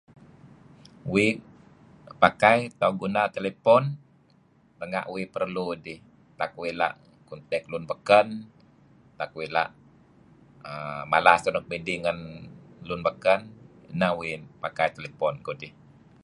Uih pakai atau guna telefon renga' uih perlu dih tak uih la' contact lun beken renga' uih la' mala sah nuk midih ngen lun beken neh uih pakai telepon kudih.